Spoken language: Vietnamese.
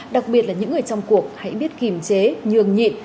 đặc biệt là những người trong cuộc hãy biết kiềm chế nhường nhịn